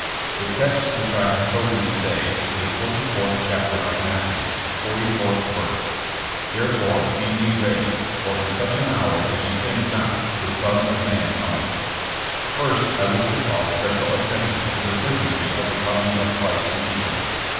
The text which I have chosen to day is the 24:th chapter of Matthew, 44th verse: "Therefore be ye 106 JKSS^ JAMBS. ready, for in such an hour as ye think not the Son of Man Cometh/' First, I wish to call special at tention to the certainty of the coming of Christ to each of us.